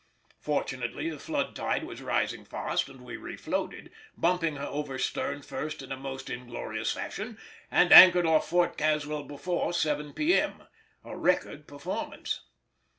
Fortunately the flood tide was rising fast, and we refloated, bumping over stern first in a most inglorious fashion, and anchored off Fort Caswell before 7 P.M.—a record performance.